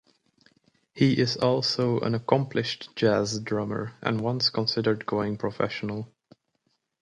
He is also an accomplished jazz drummer and once considered going professional.